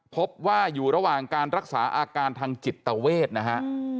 พบว่าอยู่ระหว่างการรักษาอาการทางจิตเวทนะฮะ